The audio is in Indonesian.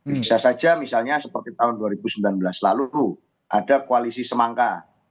bisa saja misalnya seperti tahun dua ribu sembilan belas lalu ada koalisi semangka